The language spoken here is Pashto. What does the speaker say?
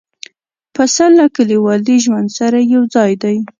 پسه له کلیوالي ژوند سره یو ځای دی.